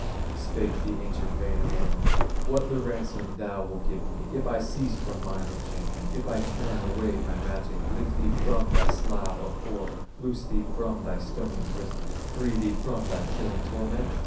Spake the ancient Wainamoinen: "What the ransom thou wilt give me If I cease from mine enchantment, If I turn away my magic, Lift thee from thy slough of horror, Loose thee from thy stony prison, Free thee from thy killing torment?"